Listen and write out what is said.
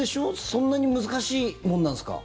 そんなに難しいものなんですか？